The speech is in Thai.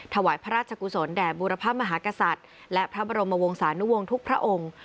ถวายพระราชกุศลแด่บูรพมหากษัตริย์และพระบรมวงศานุวงศ์ทุกพระองค์